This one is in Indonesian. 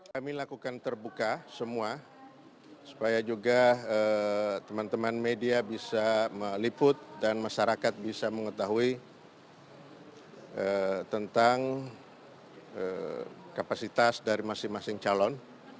kami lakukan terbuka semua supaya juga teman teman media bisa meliput dan masyarakat bisa mengetahui tentang kapasitas dari masing masing calon